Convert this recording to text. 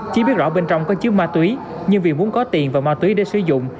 chỉ biết rõ bên trong có chứa ma túy nhưng vì muốn có tiền và ma túy để sử dụng